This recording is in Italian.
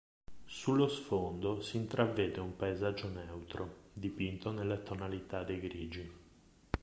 Sullo sfondo si intravede un paesaggio neutro, dipinto nelle tonalità dei grigi.